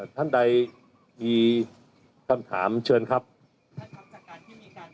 ท่านใดมีคำถามเชิญครับท่านครับจากการที่มีการไปทดสอบเมื่อวานเนี้ยครับ